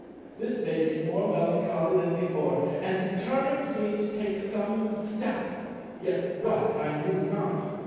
This made me more melancholy than before, and determined me to take some step; yet what, I knew not.